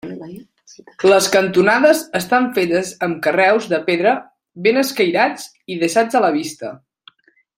Les cantonades estan fetes amb carreus de pedra ben escairats i deixats a la vista.